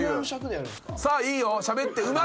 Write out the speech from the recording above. さあいいよしゃべって。